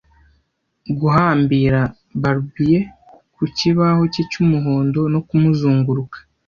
guhambira Barbie ku kibaho cye cy'umuhondo no kumuzunguruka